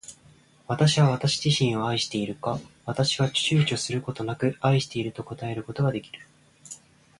私は私自身を愛しているか。私は躊躇ちゅうちょすることなく愛していると答えることが出来る。